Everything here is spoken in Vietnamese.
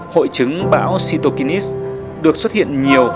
hội chứng bão cytokine được xuất hiện nhiều